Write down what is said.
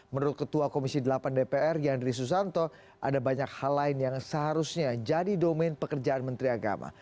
menurut ketua komisi delapan dpr yandri susanto ada banyak hal lain yang seharusnya jadi domen pekerjaan menteri agama